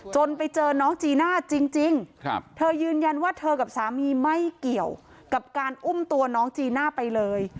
ไปเจอน้องจีน่าจริงเธอยืนยันว่าเธอกับสามีไม่เกี่ยวกับการอุ้มตัวน้องจีน่าไปเลย